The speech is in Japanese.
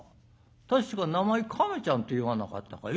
確か名前亀ちゃんっていわなかったかい？」。